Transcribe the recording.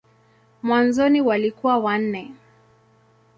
Mwanzoni walikuwa wanne.